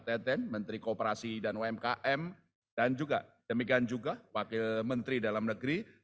teten menteri kooperasi dan umkm dan juga demikian juga wakil menteri dalam negeri